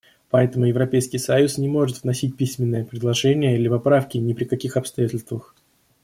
Поэтому Европейский союз не может вносить письменные предложения или поправки ни при каких обстоятельствах.